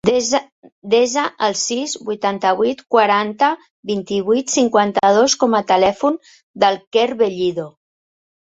Desa el sis, vuitanta-vuit, quaranta, vint-i-vuit, cinquanta-dos com a telèfon del Quer Bellido.